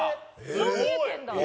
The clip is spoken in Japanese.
そう見えてるんだ。